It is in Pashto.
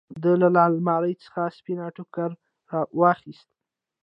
ده له المارۍ څخه سپين ټوکر واخېست.